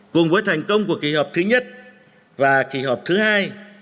cùng với thành công của kỳ họp thứ nhất và kỳ họp thứ hai